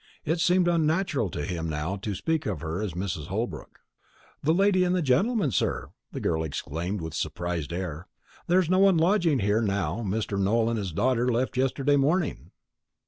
It seemed unnatural to him now to speak of her as Mrs. Holbrook. "The lady and gentleman, sir!" the girl exclaimed with a surprised air. "There's no one lodging here now. Mr. Nowell and his daughter left yesterday morning."